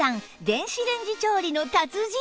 電子レンジ調理の達人！